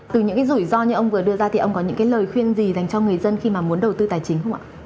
từ những cái rủi ro như ông vừa đưa ra thì ông có những cái lời khuyên gì dành cho người dân khi mà muốn đầu tư tài chính không ạ